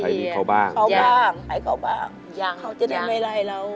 เค้าบ้างให้เค้าบ้างเค้าจะได้ไม่ไรแล้ว